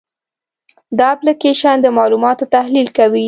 دا اپلیکیشن د معلوماتو تحلیل کوي.